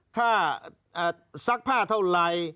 ซักผ้าเท่าไร